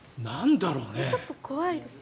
ちょっと怖いですね。